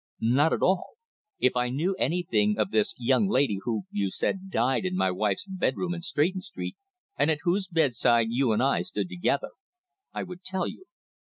"Not at all. If I knew anything of this young lady who, you said, died in my wife's bedroom in Stretton Street, and at whose bedside you and I stood together, I would tell you.